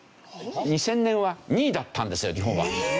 ２０００年は２位だったんですよ日本は。